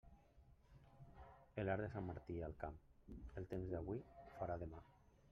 L'arc de Sant Martí al camp, el temps d'avui farà demà.